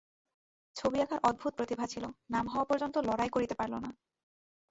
ছবি আঁকার অদ্ভুত প্রতিভা ছিল, নাম হওয়া পর্যন্ত লড়াই করিতে পারল না।